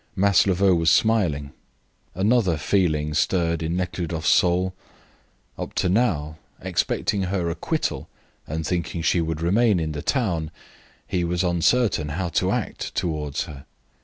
Maslova was smiling. Another feeling stirred in Nekhludoff's soul. Up to now, expecting her acquittal and thinking she would remain in the town, he was uncertain how to act towards her.